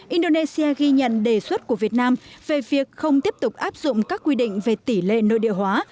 indonesia ghi nhận đề xuất của việt nam về việc không tiếp tục áp dụng các quy định về tỷ lệ nội địa hóa